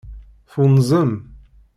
Tunzem.